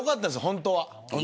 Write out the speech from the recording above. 本当は。